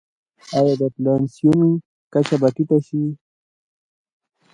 آیا د انفلاسیون کچه به ټیټه شي؟